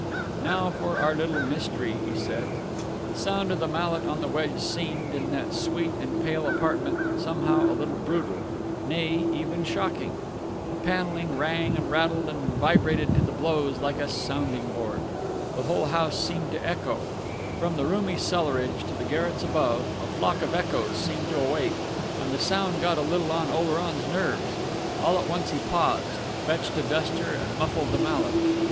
"Now for our little mystery " he said. The sound of the mallet on the wedge seemed, in that sweet and pale apartment, somehow a little brutal nay, even shocking. The panelling rang and rattled and vibrated to the blows like a sounding board. The whole house seemed to echo; from the roomy cellarage to the garrets above a flock of echoes seemed to awake; and the sound got a little on Oleron's nerves. All at once he paused, fetched a duster, and muffled the mallet....